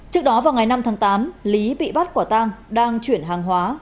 trước đó vào ngày năm tháng tám lý bị bắt quả tang đang chuyển hàng hóa